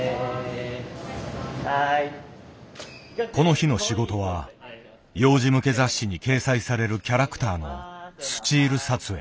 この日の仕事は幼児向け雑誌に掲載されるキャラクターのスチール撮影。